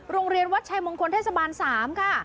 โรงเรียนวัดชายมงคลเทศบาล๓ค่ะ